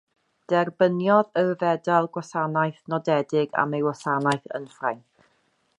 Derbyniodd y Fedal Gwasanaeth Nodedig am ei wasanaeth yn Ffrainc.